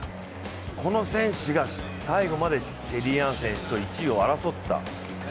この選手が最後までシェリーアン選手と１位を争った。